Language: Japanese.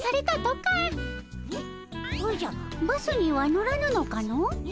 おじゃバスには乗らぬのかの？